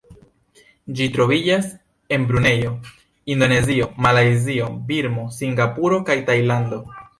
Ĝi troviĝas en Brunejo, Indonezio, Malajzio, Birmo, Singapuro, kaj Tajlando.